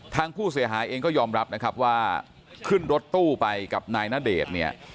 ทางผู้เสียหายเองก็ยอมรับนะครับว่าขึ้นรถตู้ไปกับนายณเดชน์เนี่ย